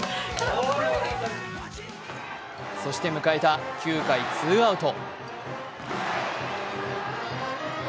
そして迎えた９回ツーアウト。